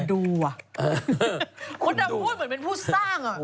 คนดำพูดเหมือนเป็นผู้สร้างอะ